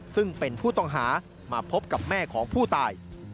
ซึ่งเป็นผู้ต้องหามาพบกับแม่ของผู้ตาย